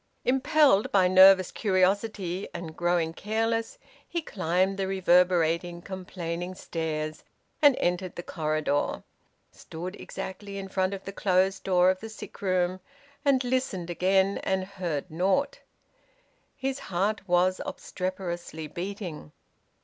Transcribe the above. Impelled by nervous curiosity, and growing careless, he climbed the reverberating, complaining stairs, and, entering the corridor, stood exactly in front of the closed door of the sick room, and listened again, and heard naught. His heart was obstreperously beating.